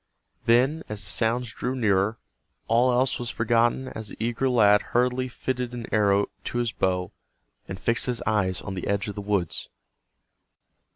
Then, as the sounds drew nearer, all else was forgotten as the eager lad hurriedly fitted an arrow to his bow, and fixed his eyes on the edge of the woods.